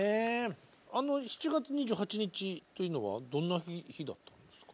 あの７月２８日というのはどんな日だったんですか？